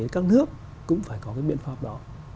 các nước cũng phải có cái biện pháp đó